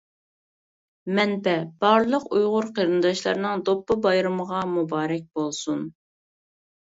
مەنبە: بارلىق ئۇيغۇر قېرىنداشلارنىڭ دوپپا بايرىمىغا مۇبارەك بولسۇن!